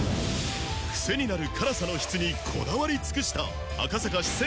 クセになる辛さの質にこだわり尽くした赤坂四川